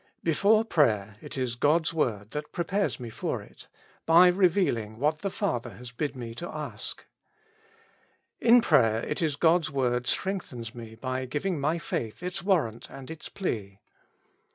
Before prayer, it is God's word that prepares me for it, by revealing what the Father has bid me ask. In prayer, it is God's word strengthens me by giving my faith its warrant and its plea.